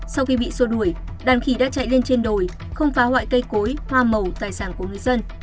sau khi bị sô đuổi đàn khí đã chạy lên trên đồi không phá hoại cây cối hoa màu tài sản của người dân